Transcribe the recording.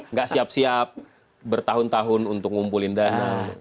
nggak siap siap bertahun tahun untuk ngumpulin dana